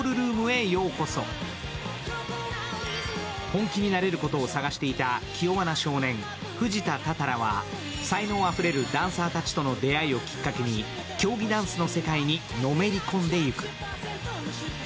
本気になれることを探していた気弱な少年、富士田多々良は、才能あふれるダンサーたちとの出会いをきっかけに競技ダンスの世界にのめり込んでいく。